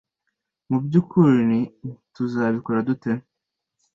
mubyukuri tuzabikora dute